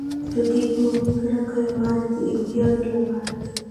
د دوی قومي کرکه یوازې د امتیاز لپاره ده.